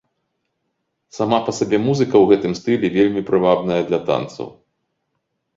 Сама па сабе музыка ў гэтым стылі вельмі прывабная для танцаў.